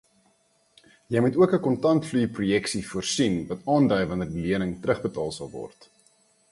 Jy moet ook 'n kontantvloeiprojeksie voorsien wat aandui wanneer die lening terugbetaal sal word.